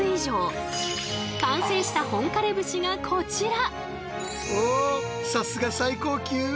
完成した本枯節がこちら！